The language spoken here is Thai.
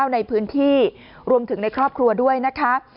ในพื้นที่รวมถึงในครอบครัวด้วยนะคะ